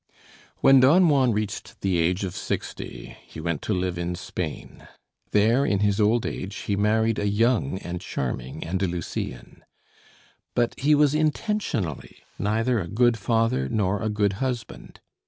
When Don Juan reached the age of sixty he went to live in Spain. There, in his old age, he married a young and charming Andalusian. But he was intentionally neither a good father nor a good husband.